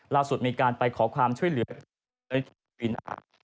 ล่าสุดมีการไปขอความช่วยเหลือจากอินอาร์